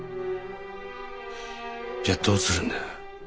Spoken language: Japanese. じゃあどうするんだ？